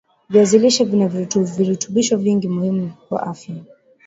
viazi lishe vina virutubisho vingi muhimi kwa afya